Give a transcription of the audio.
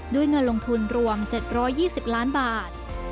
เงินลงทุนรวม๗๒๐ล้านบาท